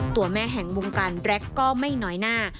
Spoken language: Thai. ตัวแม่แห่งวงการแร็กก็ไม่น้อยหน้า